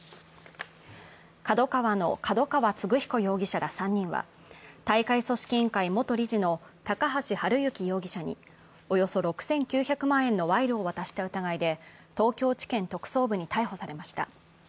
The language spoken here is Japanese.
ＫＡＤＯＫＡＷＡの角川歴彦容疑者ら３人は大会組織委員会元理事の高橋治之容疑者におよそ６９００万円の賄賂を渡した疑いで東京地検特捜部に逮捕されました。